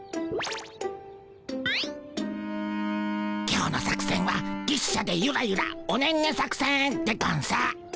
今日の作戦は牛車でゆらゆらおねんね作戦でゴンス。